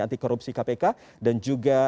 anti korupsi kpk dan juga